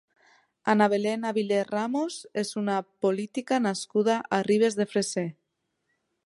Anna Belén Avilés Ramos és una política nascuda a Ribes de Freser.